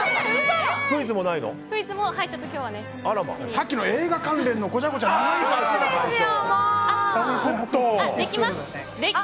さっきの映画関連のごちゃごちゃが！